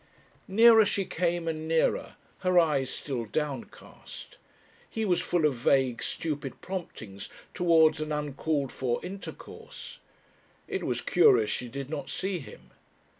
Nearer she came and nearer, her eyes still downcast. He was full of vague, stupid promptings towards an uncalled for intercourse. It was curious she did not see him.